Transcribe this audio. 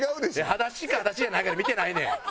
裸足か裸足じゃないかで見てないねん。